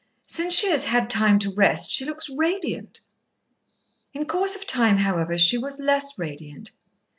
Since she has had time to rest, she looks radiant." In course of time, however, she was less radiant.